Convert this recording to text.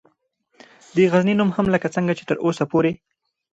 دغزنی نوم هم لکه څنګه چې تراوسه پورې